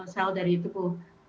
sel dari tubuh